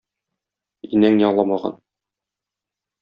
Инәң яламаган!